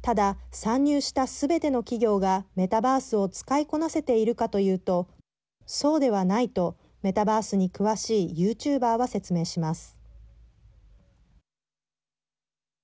ただ、参入したすべての企業がメタバースを使いこなせているかというとそうではないとメタバースに詳しいユーチューバーは説明します。